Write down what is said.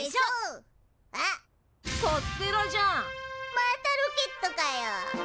またロケットかよ。